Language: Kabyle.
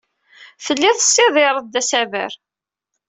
Telliḍ tessidireḍ-d asaber.